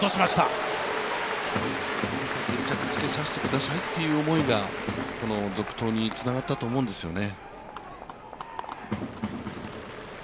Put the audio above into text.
決着つけさせてくださいという思いが続投につながったと思うんですよね。